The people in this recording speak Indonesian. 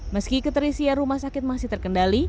meski keterisian rumah sakit masih terkendali